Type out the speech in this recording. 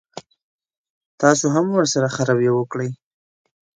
تاسو هم ورسره ښه رويه وکړئ.